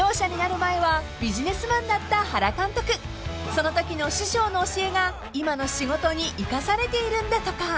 ［そのときの師匠の教えが今の仕事に生かされているんだとか］